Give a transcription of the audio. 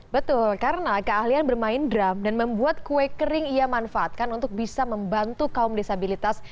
betul karena keahlian bermain drum dan membuat kue kering ia manfaatkan untuk bisa membantu kaum disabilitas